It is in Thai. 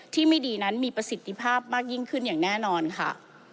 ที่ไม่ดีนั้นมีประสิทธิภาพมากยิ่งขึ้นอย่างแน่นอนค่ะ